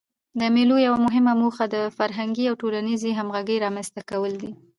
د مېلو یوه مهمه موخه د فرهنګي او ټولنیزي همږغۍ رامنځ ته کول دي.